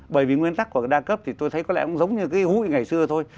bởi vì nguyên tắc của cái đa cấp thì tôi thấy có lẽ cũng giống như cái hụi ngày xưa thôi